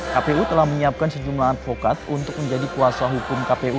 kpu telah menyiapkan sejumlah advokat untuk menjadi kuasa hukum kpu